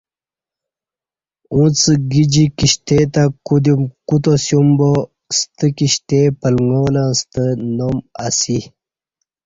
اݩڅ گجی کشتے تہ کودیوم کوتاسیوم با ستہ کشتے پلگاں لہ ستہ نام اسی